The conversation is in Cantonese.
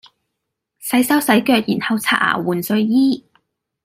洗手洗腳然後刷牙換睡衣